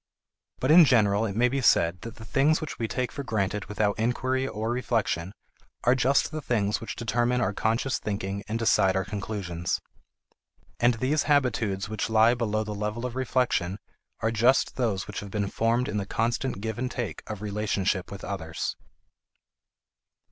But in general it may be said that the things which we take for granted without inquiry or reflection are just the things which determine our conscious thinking and decide our conclusions. And these habitudes which lie below the level of reflection are just those which have been formed in the constant give and take of relationship with others.